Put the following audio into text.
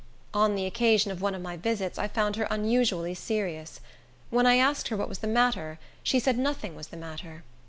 On the occasion of one of my visits I found her unusually serious. When I asked her what was the matter, she said nothing was the matter.